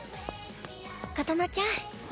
琴乃ちゃん。